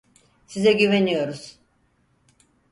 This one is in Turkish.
Size güveniyoruz.